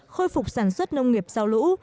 khôi phục sản xuất nông nghiệp sau lũ